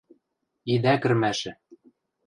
Идӓ кӹрмӓшӹ.